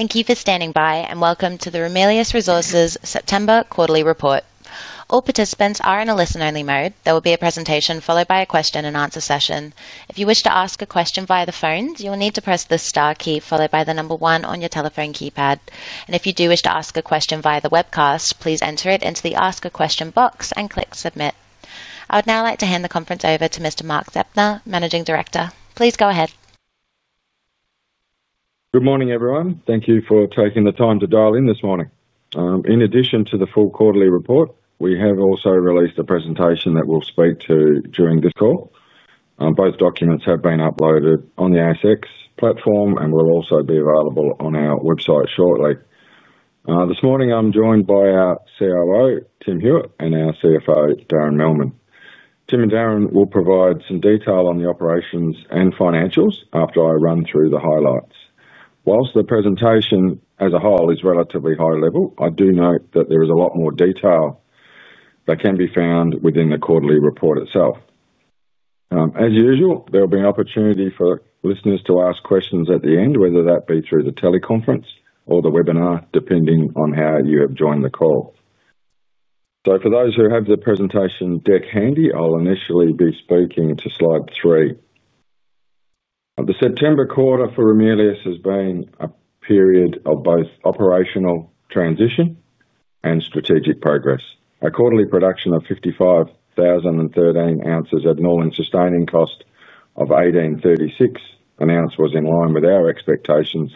Thank you for standing by and welcome to the Ramelius Resources Limited September quarterly report. All participants are in a listen-only mode. There will be a presentation followed by a question and answer session. If you wish to ask a question via the phones, you'll need to press the star key followed by the number one on your telephone keypad. If you do wish to ask a question via the webcast, please enter it into the ask a question box and click submit. I would now like to hand the conference over to Mr. Mark Zeptner, Managing Director. Please go ahead. Good morning, everyone. Thank you for taking the time to dial in this morning. In addition to the full quarterly report, we have also released a presentation that we'll speak to during this call. Both documents have been uploaded on the ASX platform and will also be available on our website shortly. This morning, I'm joined by our COO, Tim Hewitt, and our CFO, Darren Millman. Tim and Darren will provide some detail on the operations and financials after I run through the highlights. Whilst the presentation as a whole is relatively high level, I do note that there is a lot more detail that can be found within the quarterly report itself. As usual, there will be an opportunity for listeners to ask questions at the end, whether that be through the teleconference or the webinar, depending on how you have joined the call. For those who have the presentation deck handy, I'll initially be speaking to slide three. The September quarter for Ramelius has been a period of both operational transition and strategic progress. Our quarterly production of 55,013 oz at an all-in sustaining cost of 1,836 an ounce was in line with our expectations,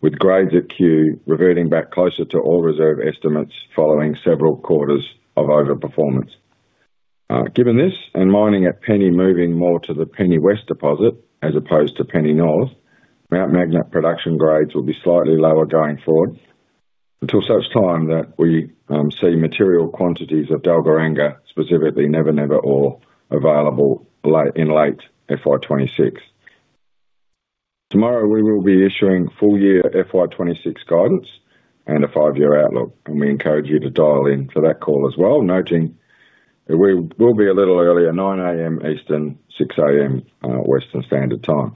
with grades at Cue reverting back closer to ore reserve estimates following several quarters of overperformance. Given this and mining at Penny moving more to the Penny West deposit as opposed to Penny North, Mount Magnet production grades will be slightly lower going forward until such time that we see material quantities of Dalgaranga, specifically Never Never ore, available in late FY2026. Tomorrow, we will be issuing full-year FY2026 guidance and a five-year outlook, and we encourage you to dial in for that call as well, noting that we will be a little earlier, 9:00 A.M. Eastern, 6:00 A.M. Western Standard Time.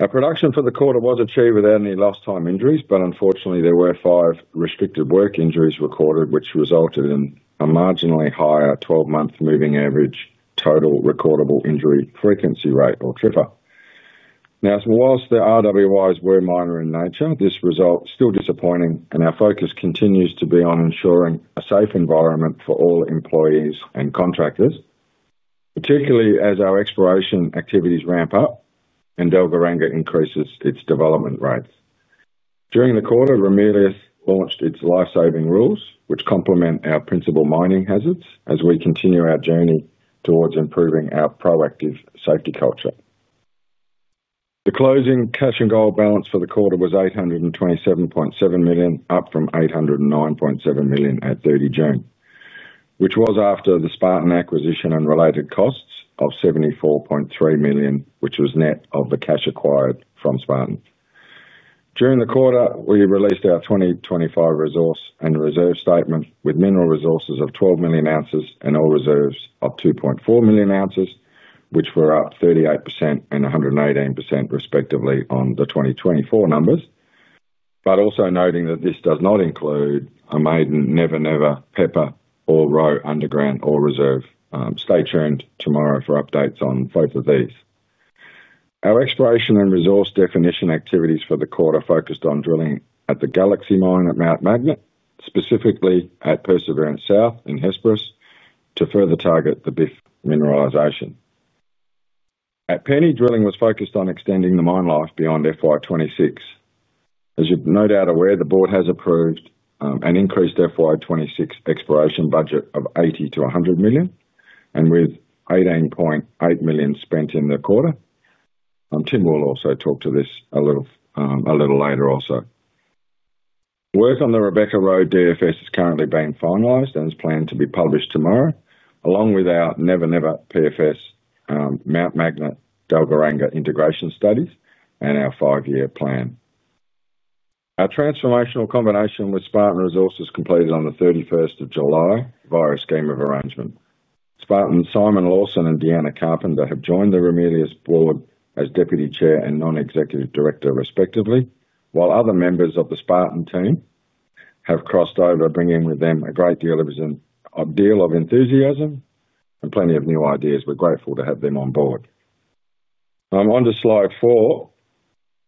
Our production for the quarter was achieved without any lost time injuries, but unfortunately, there were five restricted work injuries recorded, which resulted in a marginally higher 12-month moving average total recordable injury frequency rate, or TRIFA. Whilst the RWIs were minor in nature, this result is still disappointing, and our focus continues to be on ensuring a safe environment for all employees and contractors, particularly as our exploration activities ramp up and Dalgaranga increases its development rates. During the quarter, Ramelius launched its life-saving rules, which complement our principal mining hazards as we continue our journey towards improving our proactive safety culture. The closing cash and gold balance for the quarter was 827.7 million, up from 809.7 million at 30 June, which was after the Spartan acquisition and related costs of 74.3 million, which was net of the cash acquired from Spartan. During the quarter, we released our 2025 resource and reserve statement with mineral resources of 12 million oz and ore reserves of 2.4 million oz, which were up 38% and 118% respectively on the 2024 numbers, but also noting that this does not include a maiden Never Never, Pepper, or Roe underground ore reserve. Stay tuned tomorrow for updates on both of these. Our exploration and resource definition activities for the quarter focused on drilling at the Galaxy mining area at Mount Magnet, specifically at Perseverance South and Hesperus, to further target the BIF mineralization. At Penny, drilling was focused on extending the mine life beyond FY2026. As you're no doubt aware, the Board has approved an increased FY2026 exploration budget of 80 million-100 million, and with 18.8 million spent in the quarter, Tim will also talk to this a little later also. Work on the Rebecca-Roe DFS is currently being finalized and is planned to be published tomorrow, along with our Never Never PFS, Mount Magnet Dalgaranga integration studies, and our five-year plan. Our transformational combination with Spartan Resources completed on 31st of July via a scheme of arrangement. Spartan's Simon Lawson and Deanna Carpenter have joined the Ramelius board as Deputy Chair and Non-Executive Director respectively, while other members of the Spartan team have crossed over, bringing with them a great deal of enthusiasm and plenty of new ideas. We're grateful to have them on board. I'm onto slide four,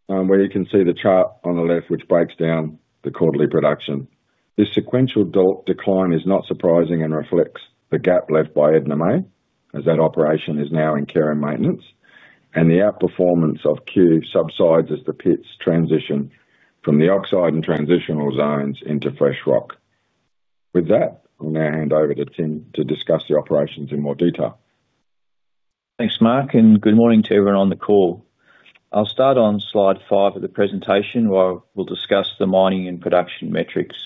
where you can see the chart on the left, which breaks down the quarterly production. This sequential decline is not surprising and reflects the gap left by Edna May, as that operation is now in care and maintenance, and the outperformance of Cue subsides as the pits transition from the oxide and transitional zones into fresh rock. With that, I'll now hand over to Tim to discuss the operations in more detail. Thanks, Mark, and good morning to everyone on the call. I'll start on slide five of the presentation where we'll discuss the mining and production metrics.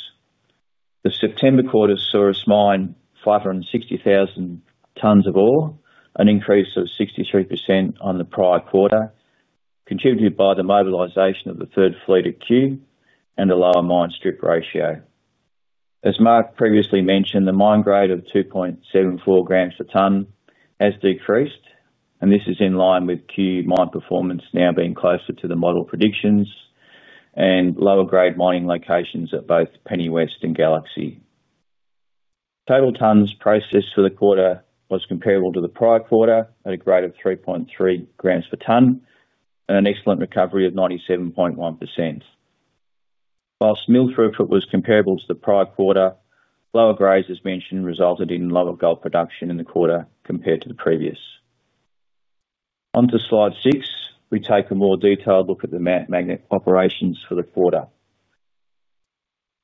The September quarter saw us mine 560,000 tons of ore, an increase of 63% on the prior quarter, contributed by the mobilisation of the third fleet at Cue and the lower mine strip ratio. As Mark previously mentioned, the mine grade of 2.74 g per tonne has decreased, and this is in line with Cue mine performance now being closer to the model predictions and lower grade mining locations at both Penny and Galaxy. Total tonnes processed for the quarter was comparable to the prior quarter at a grade of 3.3 g per tonne, and an excellent recovery of 97.1%. Whilst mill throughput was comparable to the prior quarter, lower grades, as mentioned, resulted in lower gold production in the quarter compared to the previous. Onto slide six, we take a more detailed look at the Mount Magnet operations for the quarter.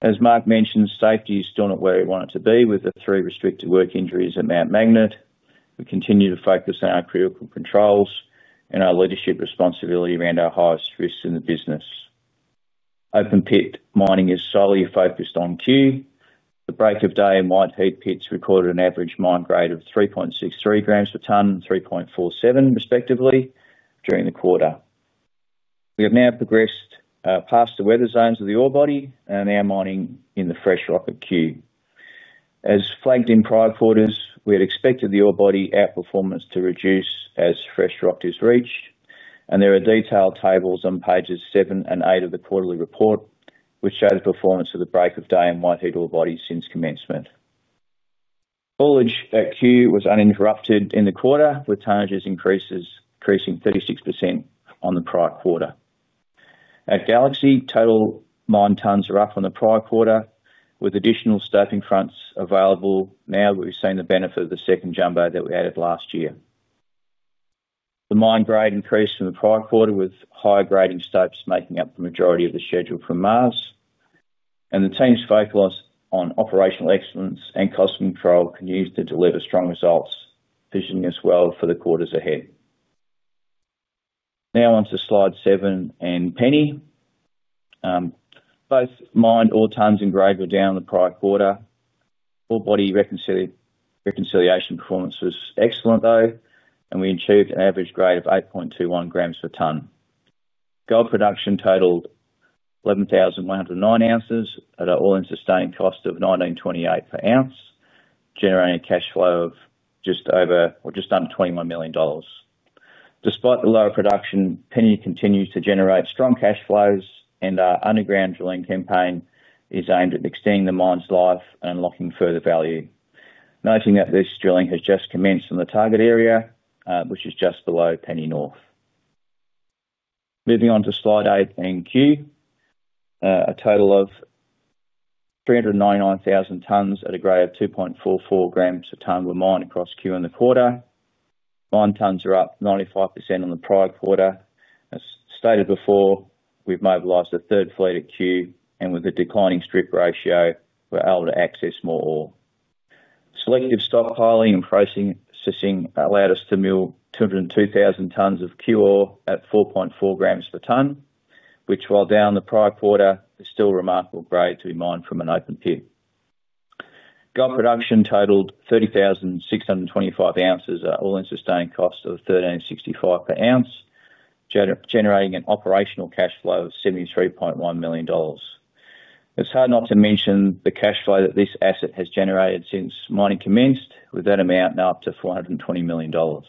As Mark mentioned, safety is still not where we want it to be with the three restricted work injuries at Mount Magnet. We continue to focus on our critical controls and our leadership responsibility around our highest risks in the business. Open pit mining is solely focused on Cue. The Break of Day and White Heat pits recorded an average mine grade of 3.63 g per tonne and 3.47 g per tonne respectively during the quarter. We have now progressed past the weathered zones of the ore body and are now mining in the fresh rock at Cue. As flagged in prior quarters, we had expected the ore body outperformance to reduce as fresh rock is reached, and there are detailed tables on pages seven and eight of the quarterly report, which show the performance of the Break of Day and White Heat ore body since commencement. Fullage at Cue was uninterrupted in the quarter, with tonnages increasing 36% on the prior quarter. At Galaxy, total mine tonnes are up from the prior quarter, with additional stope fronts available now, and we've seen the benefit of the second jumbo that we added last year. The mine grade increased from the prior quarter, with higher grading stopes making up the majority of the schedule from Mars, and the team's focus on operational excellence and cost control continues to deliver strong results, positioning us well for the quarters ahead. Now onto slide seven and Penny. Both mined ore tonnes and grade were down in the prior quarter. Ore body reconciliation performance was excellent, though, and we achieved an average grade of 8.21 g per tonne. Gold production totaled 11,109 oz at an all-in sustaining cost of 1,928 per ounce, generating a cash flow of just over or just under 21 million dollars. Despite the lower production, Penny continues to generate strong cash flows, and our underground drilling campaign is aimed at extending the mine's life and unlocking further value, noting that this drilling has just commenced in the target area, which is just below Penny North. Moving on to slide eight and Cue, a total of 399,000 tonnes at a grade of 2.44 g per tonne were mined across Cue in the quarter. Mine tonnes are up 95% on the prior quarter. As stated before, we've mobilized the third fleet at Cue, and with a declining strip ratio, we're able to access more ore. Selective stockpiling and processing allowed us to mill 202,000 tonnes of Cue ore at 4.4 g per tonne, which, while down on the prior quarter, is still a remarkable grade to be mined from an open pit. Gold production totaled 30,625 oz at an all-in sustaining cost of 1,365 per ounce, generating an operational cash flow of 73.1 million dollars. It's hard not to mention the cash flow that this asset has generated since mining commenced, with that amount now up to 420 million dollars.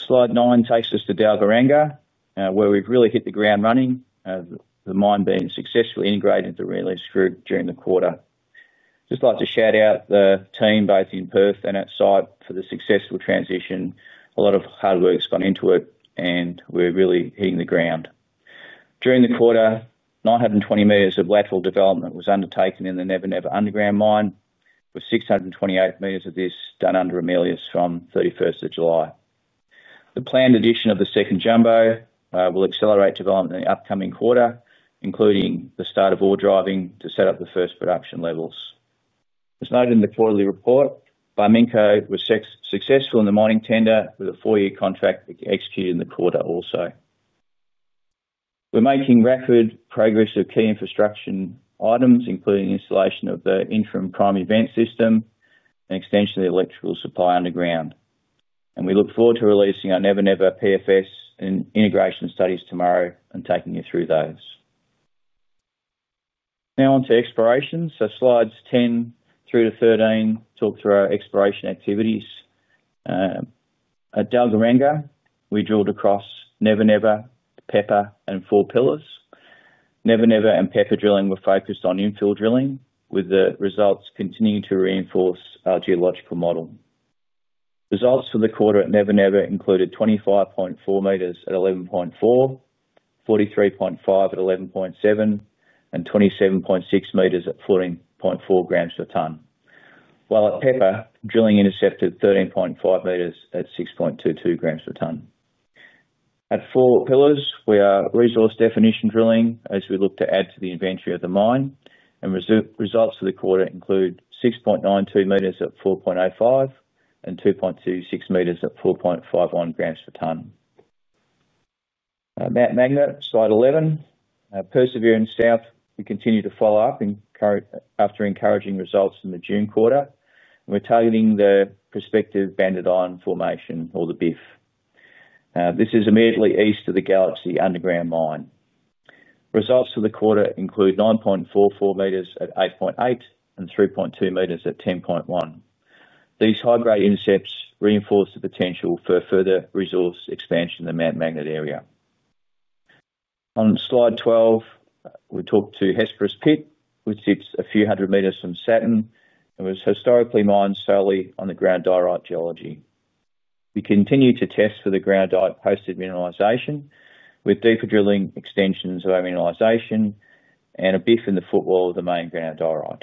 Slide nine takes us to Dalgaranga, where we've really hit the ground running, the mine being successfully integrated into the Ramelius group during the quarter. I'd just like to shout out the team both in Perth and at site for the successful transition. A lot of hard work's gone into it, and we're really hitting the ground. During the quarter, 920 m of lateral development was undertaken in the Never Never underground mine, with 628 mof this done under Ramelius from 31st of July. The planned addition of the second jumbo will accelerate development in the upcoming quarter, including the start of ore driving to set up the first production levels. As noted in the quarterly report, Bimenco was successful in the mining tender, with a four-year contract executed in the quarter also. We're making record progress with key infrastructure items, including the installation of the Interim Prime Event System and extension of the electrical supply underground. We look forward to releasing our Never Never PFS and integration studies tomorrow and taking you through those. Now onto exploration. Slides 10 through to 13 talk through our exploration activities. At Dalgaranga, we drilled across Never Never, Pepper, and Four Pillars. Never Never and Pepper drilling were focused on infill drilling, with the results continuing to reinforce our geological model. Results for the quarter at Never Never included 25.4 m at 11.4 g per tonne, 43.5 m at 11.7 g per tonne, and 27.6 m at 14.4 g per tonne. While at Pepper, drilling intercepted 13.5 m at 6.22 g per tonne. At Four Pillars, we are resource definition drilling as we look to add to the inventory of the mine, and results for the quarter include 6.92 m at 4.05 g per tonne and 2.26 m at 4.51 g per tonne. Mount Magnet, slide 11. Perseverance South, we continue to follow up after encouraging results in the June quarter, and we're targeting the prospective Banded Iron Formation or the BIF. This is immediately east of the Galaxy underground mine. Results for the quarter include 9.44 mat 8.8 g per tonne and 3.2 m at 10.1 g per tonne. These high-grade intercepts reinforce the potential for further resource expansion in the Mount Magnet area. On slide 12, we talk to Hesperus Pit, which sits a few hundred meters from Saturn and was historically mined solely on the granodiorite geology. We continue to test for the granodiorite-hosted mineralization with deeper drilling extensions of our mineralization and a BIF in the footwall of the main granodiorite.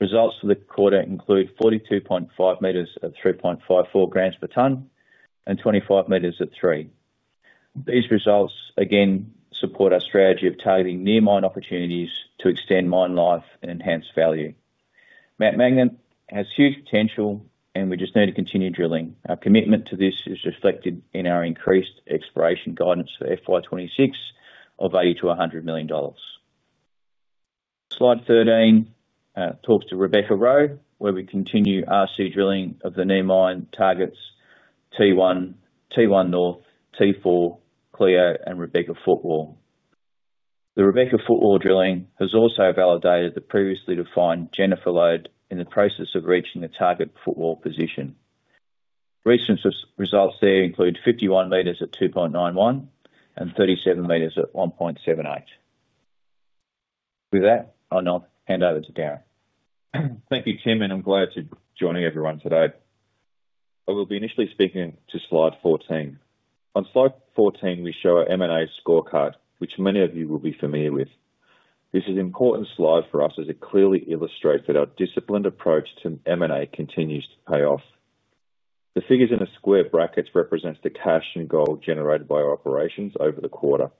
Results for the quarter include 42.5 m at 3.54 g per tonne and 25 m at 3 g per tonne. These results again support our strategy of targeting near mine opportunities to extend mine life and enhance value. Mount Magnet has huge potential, and we just need to continue drilling. Our commitment to this is reflected in our increased exploration guidance for FY2026 of 80 million-100 million dollars. Slide 13 talks to Rebecca-Roe, where we continue RC drilling of the near mine targets T1, T1 North, T4, Cleo, and Rebecca footwall. The Rebecca footwall drilling has also validated the previously defined Jennifer Lode in the process of reaching the target footwall position. Recent results there include 51 m at 2.91 g per tonne and 37 m at 1.78 g per tonne. With that, I'll now hand over to Darren. Thank you, Tim, and I'm glad to join everyone today. I will be initially speaking to slide 14. On slide 14, we show our M&A scorecard, which many of you will be familiar with. This is an important slide for us as it clearly illustrates that our disciplined approach to M&A continues to pay off. The figures in the square brackets represent the cash and gold generated by our operations over the quarter.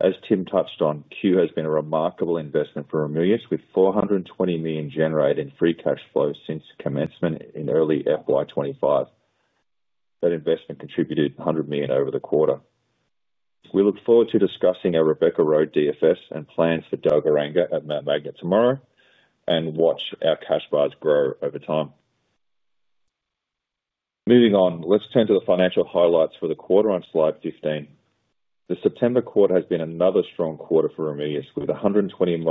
As Tim touched on, Penny has been a remarkable investment for Ramelius, with 420 million generated in free cash flow since commencement in early FY2025. That investment contributed 100 million over the quarter. We look forward to discussing our Rebecca-Roe DFS and plans for Dalgaranga at Mount Magnet tomorrow and watch our cash bars grow over time. Moving on, let's turn to the financial highlights for the quarter on slide 15. The September quarter has been another strong quarter for Ramelius, with 129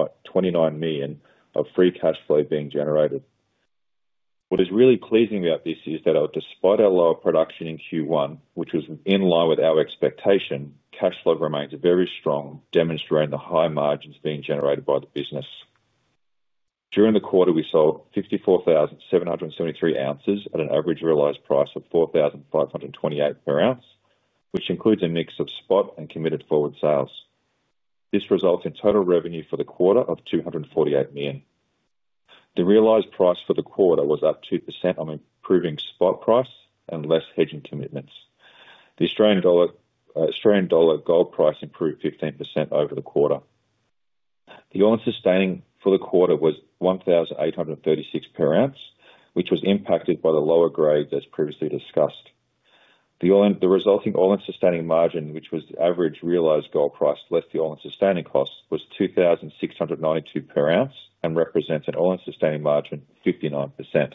million of free cash flow being generated. What is really pleasing about this is that, despite our lower production in Q1, which was in line with our expectation, cash flow remains very strong, demonstrating the high margins being generated by the business. During the quarter, we sold 54,773 oz at an average realized price of 4,528 per ounce, which includes a mix of spot and committed forward sales. This results in total revenue for the quarter of 248 million. The realized price for the quarter was up 2% on improving spot price and less hedging commitments. The Australian dollar gold price improved 15% over the quarter. The all-in sustaining cost for the quarter was 1,836 per ounce, which was impacted by the lower grades as previously discussed. The resulting all-in sustaining margin, which was the average realized gold price less the all-in sustaining cost, was 2,692 per ounce and represents an all-in sustaining margin of 59%.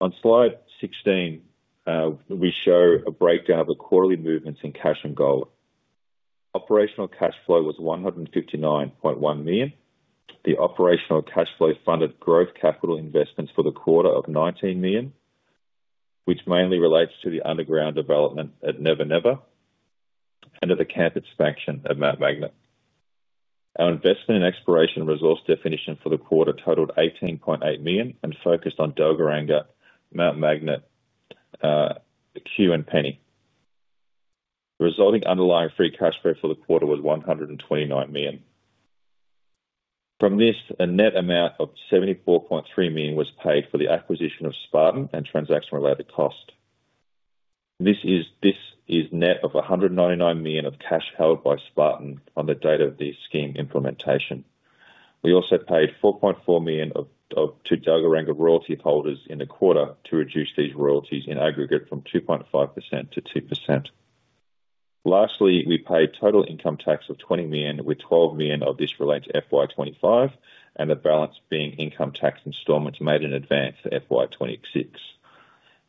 On slide 16, we show a breakdown of the quarterly movements in cash and gold. Operational cash flow was 159.1 million. The operational cash flow funded growth capital investments for the quarter of 19 million, which mainly relates to the underground development at Never Never and at the campus expansion at Mount Magnet. Our investment in exploration resource definition for the quarter totaled 18.8 million and focused on Dalgaranga, Mount Magnet, Cue, and Penny. The resulting underlying free cash flow for the quarter was 129 million. From this, a net amount of 74.3 million was paid for the acquisition of Spartan and transaction-related costs. This is net of 199 million of cash held by Spartan on the date of the scheme implementation. We also paid 4.4 million to Dalgaranga royalty holders in the quarter to reduce these royalties in aggregate from 2.5% to 2%. Lastly, we paid total income tax of 20 million, with 12 million of this related to FY2025, and the balance being income tax instalments made in advance for FY2026.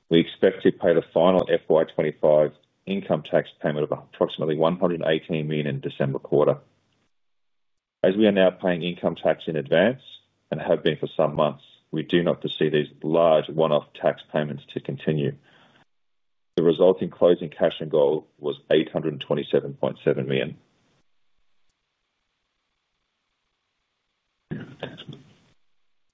We expect to pay the final FY2025 income tax payment of approximately 118 million in the December quarter. As we are now paying income tax in advance and have been for some months, we do not foresee these large one-off tax payments to continue. The resulting closing cash and gold was 827.7 million.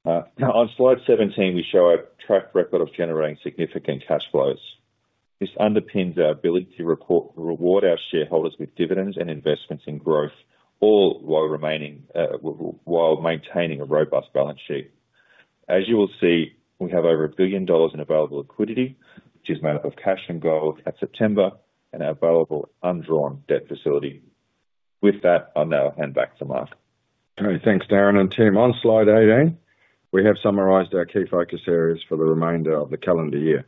On slide 17, we show a track record of generating significant cash flows. This underpins our ability to reward our shareholders with dividends and investments in growth, all while maintaining a robust balance sheet. As you will see, we have over 1 billion dollars in available liquidity, which is made up of cash and gold at September and our available undrawn debt facility. With that, I'll now hand back to Mark. All right. Thanks, Darren and Tim. On slide 18, we have summarised our key focus areas for the remainder of the calendar year.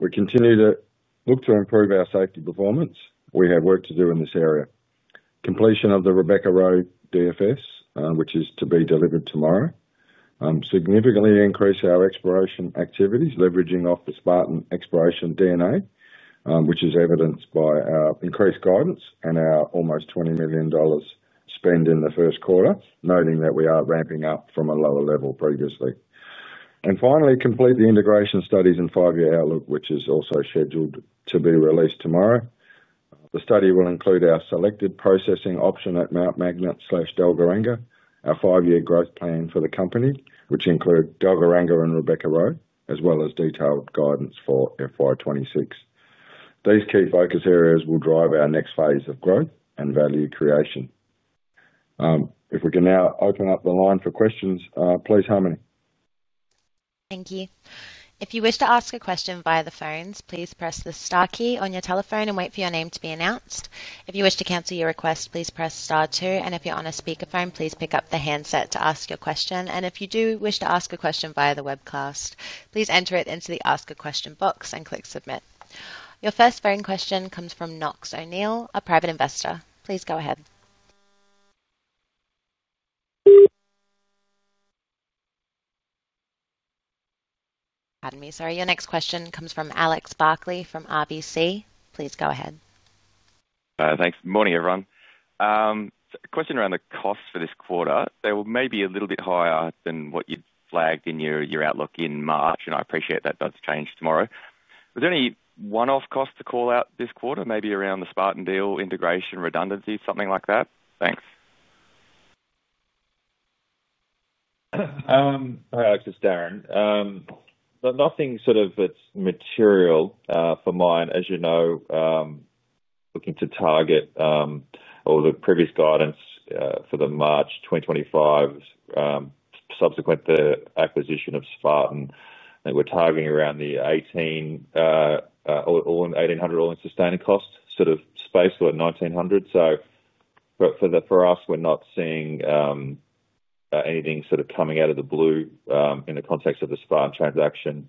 We continue to look to improve our safety performance. We have work to do in this area. Completion of the Rebecca-Roe definitive feasibility study, which is to be delivered tomorrow, significantly increased our exploration activities, leveraging off the Spartan exploration DNA, which is evidenced by our increased guidance and our almost 20 million dollars spend in the first quarter, noting that we are ramping up from a lower level previously. Finally, complete the integration studies and five-year outlook, which is also scheduled to be released tomorrow. The study will include our selected processing option at Mount Magnet/Dalgaranga, our five-year growth plan for the company, which includes Dalgaranga and Rebecca-Roe, as well as detailed guidance for FY2026. These key focus areas will drive our next phase of growth and value creation. If we can now open up the line for questions, please, Harmony. Thank you. If you wish to ask a question via the phones, please press the star key on your telephone and wait for your name to be announced. If you wish to cancel your request, please press star two. If you're on a speaker phone, please pick up the handset to ask your question. If you do wish to ask a question via the webcast, please enter it into the ask a question box and click submit. Your first phone question comes from Knox O'Neill, a private investor. Please go ahead. Sorry. Your next question comes from Alex Barkley from RBC. Please go ahead. Thanks. Morning, everyone. A question around the costs for this quarter. They were maybe a little bit higher than what you'd flagged in your outlook in March, and I appreciate that does change tomorrow. Was there any one-off cost to call out this quarter, maybe around the Spartan deal integration redundancy, something like that? Thanks. Hi, Alex. It's Darren. Nothing that's material for mine. As you know, looking to target all the previous guidance for the March 2025 subsequent to the acquisition of Spartan, and we're targeting around the 1,800 all-in sustaining cost sort of space or 1,900. For us, we're not seeing anything coming out of the blue in the context of the Spartan transaction.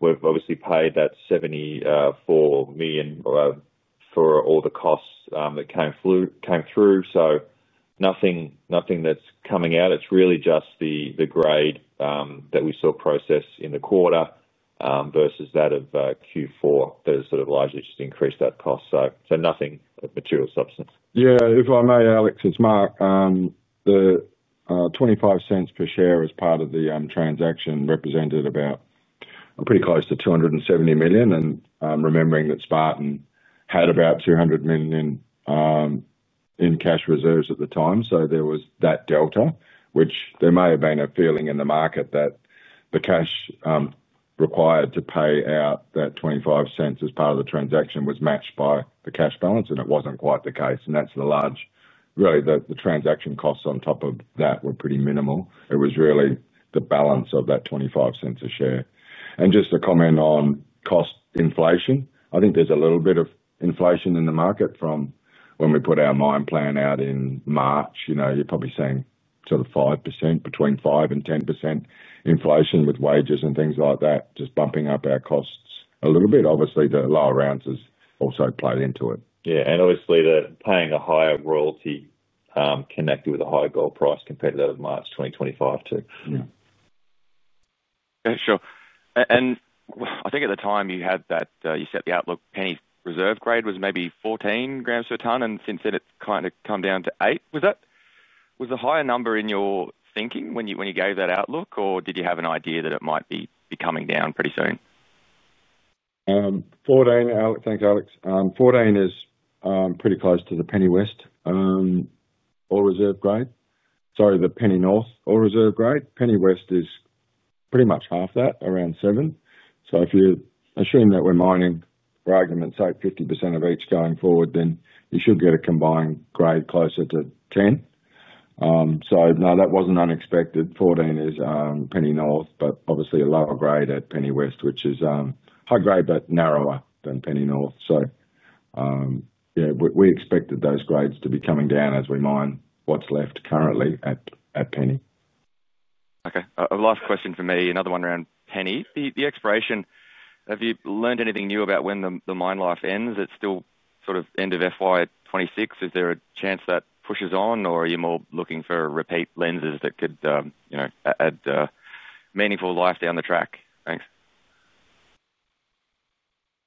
We've obviously paid that 74 million for all the costs that came through. Nothing that's coming out. It's really just the grade that we saw processed in the quarter versus that of Q4 that has largely just increased that cost. Nothing of material substance. Yeah. If I may, Alex, it's Mark. The 0.25 per share as part of the transaction represented about pretty close to 270 million, and remembering that Spartan had about 200 million in cash reserves at the time. There was that delta, which there may have been a feeling in the market that the cash required to pay out that 0.25 as part of the transaction was matched by the cash balance, and it wasn't quite the case. The transaction costs on top of that were pretty minimal. It was really the balance of that 0.25 a share. Just to comment on cost inflation, I think there's a little bit of inflation in the market from when we put our mine plan out in March. You're probably seeing sort of 5%, between 5% and 10% inflation with wages and things like that, just bumping up our costs a little bit. Obviously, the lower rounds also played into it. Yeah, obviously, paying a higher royalty connected with a higher gold price compared to that of March 2025, too. Okay. Sure. I think at the time you had that, you set the outlook, Penny's reserve grade was maybe 14 g per ton, and since then, it's kind of come down to 8 g per tonne. Was that the higher number in your thinking when you gave that outlook, or did you have an idea that it might be coming down pretty soon? Thanks, Alex. 14 g per tonne is pretty close to the Penny North ore reserve grade. Penny West is pretty much half that, around 7 g per tonne. If you assume that we're mining, for argument's sake, 50% of each going forward, you should get a combined grade closer to 10 g per tonne. No, that wasn't unexpected. 14 g per tonne is Penny North, but obviously a lower grade at Penny West, which is high grade but narrower than Penny North. We expected those grades to be coming down as we mine what's left currently at Penny. Okay. A last question from me, another one around Penny. The exploration, have you learned anything new about when the mine life ends? It's still sort of end of FY2026. Is there a chance that pushes on, or are you more looking for repeat lenses that could, you know, add meaningful life down the track? Thanks.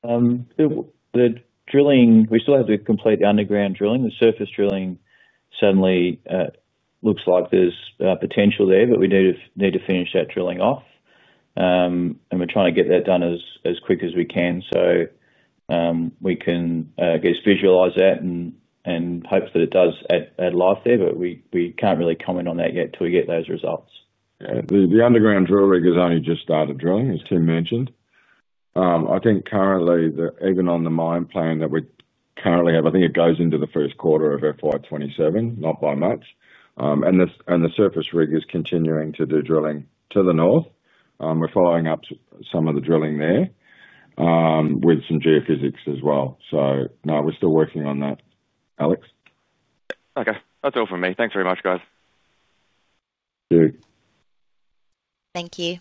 The drilling, we still have to complete the underground drilling. The surface drilling suddenly looks like there's potential there, but we need to finish that drilling off. We're trying to get that done as quick as we can so we can just visualize that and hope that it does add life there, but we can't really comment on that yet until we get those results. The underground drill rig has only just started drilling, as Tim mentioned. I think currently, even on the mine plan that we currently have, I think it goes into the first quarter of FY2027, not by much. The surface rig is continuing to do drilling to the north. We're following up some of the drilling there with some geophysics as well. No, we're still working on that, Alex. Okay. That's all from me. Thanks very much, guys. Thank you. Thank you.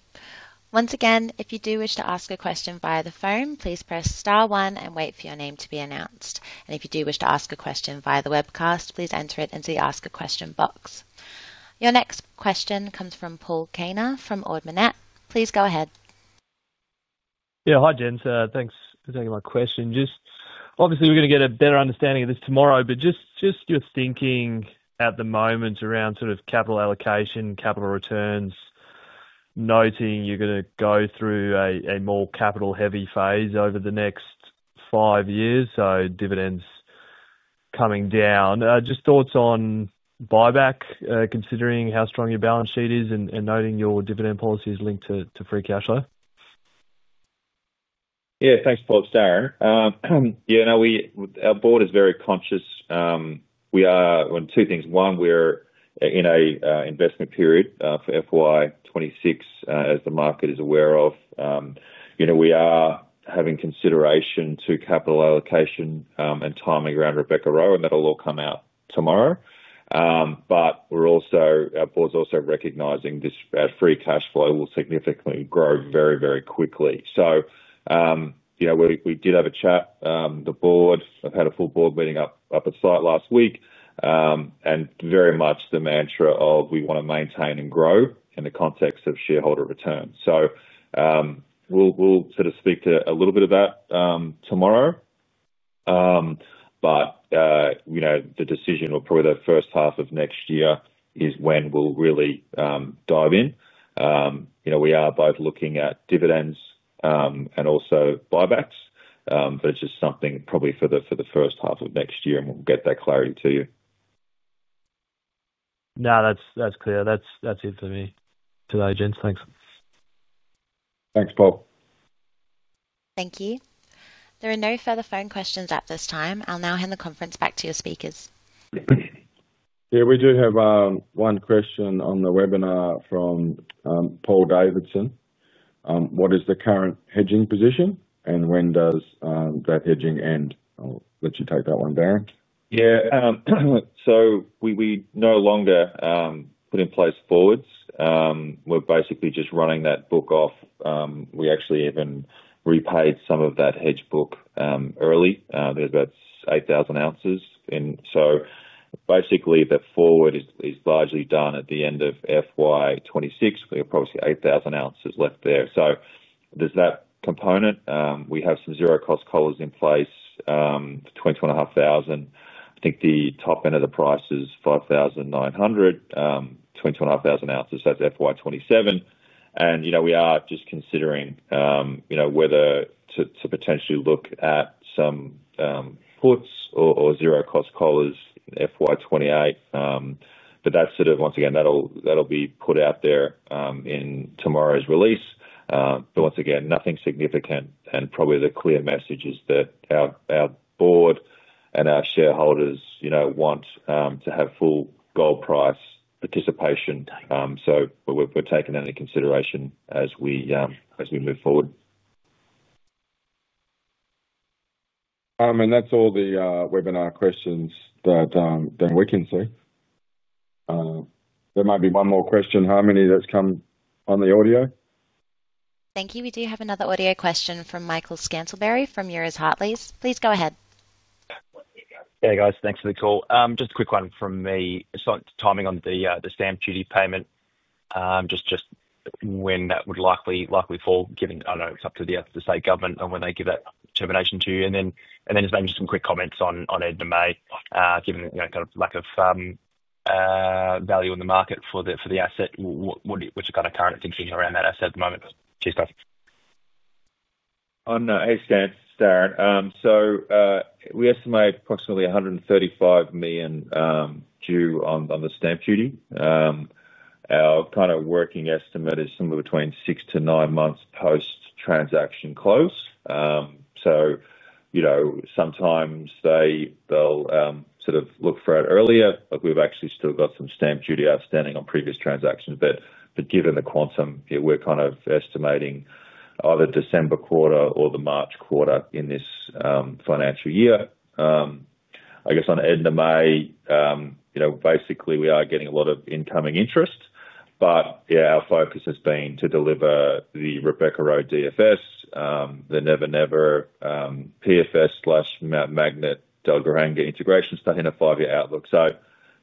Once again, if you do wish to ask a question via the phone, please press star one and wait for your name to be announced. If you do wish to ask a question via the webcast, please enter it into the ask a question box. Your next question comes from Paul Kaner from Ord Minnett. Please go ahead. Yeah. Hi, [James]. Thanks for taking my question. Obviously, we're going to get a better understanding of this tomorrow, but just your thinking at the moment around sort of capital allocation, capital returns, noting you're going to go through a more capital-heavy phase over the next five years, so dividends coming down. Just thoughts on buyback, considering how strong your balance sheet is and noting your dividend policy is linked to free cash flow? Yeah. Thanks, Paul. It's Darren. Our Board is very conscious. We are on two things. One, we're in an investment period for FY2026, as the market is aware of. You know we are having consideration to capital allocation and timing around Rebecca-Roe, and that'll all come out tomorrow. Our Board's also recognizing this free cash flow will significantly grow very, very quickly. We did have a chat, the Board. I've had a full Board meeting up at site last week and very much the mantra of we want to maintain and grow in the context of shareholder returns. We'll sort of speak to a little bit of that tomorrow. The decision or probably the first half of next year is when we'll really dive in. We are both looking at dividends and also buybacks, but it's just something probably for the first half of next year, and we'll get that clarity to you. No, that's clear. That's it for me today, [James]. Thanks. Thanks, Paul. Thank you. There are no further phone questions at this time. I'll now hand the conference back to your speakers. Yeah. We do have one question on the webinar from Paul Davidson. What is the current hedging position, and when does that hedging end? I'll let you take that one, Darren. Yeah. We no longer put in place forwards. We're basically just running that book off. We actually even repaid some of that hedge book early. There's about 8,000 oz. The forward is largely done at the end of FY2026. We have probably 8,000 oz left there. There's that component. We have some zero-cost collars in place for 22,500 oz. I think the top end of the price is 5,900, 22,500 oz. That's FY2027. We are just considering whether to potentially look at some puts or zero-cost collars in FY2028. That'll be put out there in tomorrow's release. Nothing significant. Probably the clear message is that our board and our shareholders want to have full gold price participation. We're taking that into consideration as we move forward. That's all the webinar questions that we can see. There might be one more question, Harmony, that's come on the audio. Thank you. We do have another audio question from Michael Scantlebury from Euroz Hartleys. Please go ahead. Hey, guys. Thanks for the call. Just a quick one from me. It's not timing on the stamp duty payment, just when that would likely fall, given, I don't know, it's up to the government and when they give that determination to you. Maybe just some quick comments on Edna May, given the kind of lack of value in the market for the asset. What's your kind of current thinking around that asset at the moment? Cheers, guys. On the assets, Darren. We estimate approximately 135 million due on the stamp duty. Our kind of working estimate is somewhere between six to nine months post-transaction close. Sometimes they'll sort of look for it earlier. We've actually still got some stamp duty outstanding on previous transactions. Given the quantum, we're kind of estimating either December quarter or the March quarter in this financial year. I guess on Edna May, basically, we are getting a lot of incoming interest. Our focus has been to deliver the Rebecca-Roe DFS, the Never Never PFS/Mount Magnet Dalgaranga integration study, and a five-year outlook.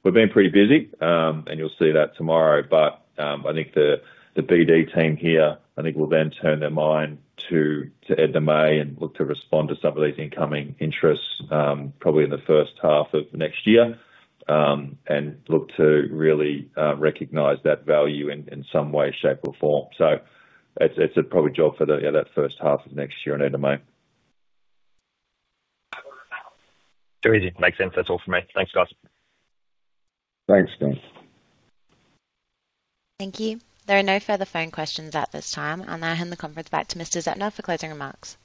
We're being pretty busy, and you'll see that tomorrow. I think the BD team here will then turn their mind to Edna May and look to respond to some of these incoming interests probably in the first half of next year and look to really recognize that value in some way, shape, or form. It's probably a job for that first half of next year on Edna May. Terrific. Makes sense. That's all for me. Thanks, guys. Thanks, Michael. Thank you. There are no further phone questions at this time. I'll now hand the conference back to Mr. Zeptner for closing remarks.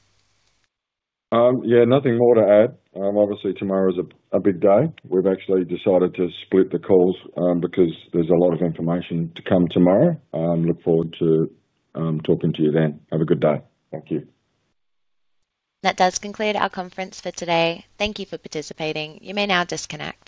Yeah, nothing more to add. Obviously, tomorrow is a big day. We've actually decided to split the calls because there's a lot of information to come tomorrow. Look forward to talking to you then. Have a good day. Thank you. That does conclude our conference for today. Thank you for participating. You may now disconnect.